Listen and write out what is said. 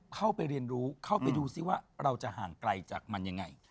เข้าไปเรียนรู้เข้าไปดูซิว่าเราจะห่างไกลจากมันยังไง